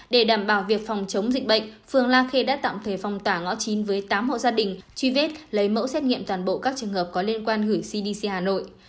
để đảm bảo việc phòng chống dịch bệnh phường la khê đã tạm thời phong tỏa ngõ chín với tám hộ gia đình truy vết lấy mẫu xét nghiệm toàn bộ các trường hợp có liên quan gửi cdc hà nội